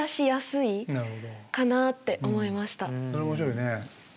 それは面白いね。